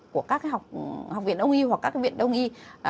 của các cái học viện đông y hoặc các cái viện đông y